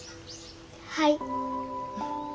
はい。